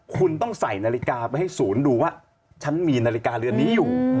คุณต้องใส่นาฬิกาไปให้ศูนย์ดูว่าฉันมีนาฬิกาเรือนนี้อยู่